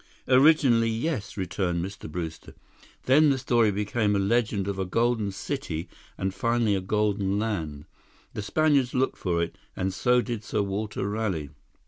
"Originally, yes," returned Mr. Brewster. "Then the story became a legend of a golden city and finally a golden land. The Spaniards looked for it, and so did Sir Walter Raleigh."